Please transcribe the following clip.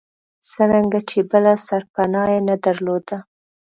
څرنګه چې بله سرپناه یې نه درلوده.